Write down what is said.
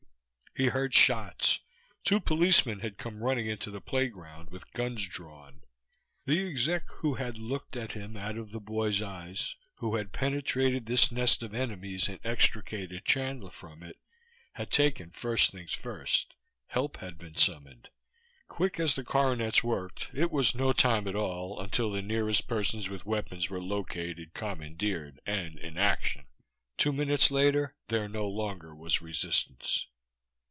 He heard shots. Two policeman had come running into the playground, with guns drawn. The exec who had looked at him out of the boy's eyes, who had penetrated this nest of enemies and extricated Chandler from it, had taken first things first. Help had been summoned. Quick as the coronets worked, it was no time at all until the nearest persons with weapons were located, commandeered and in action. Two minutes later there no longer was resistance.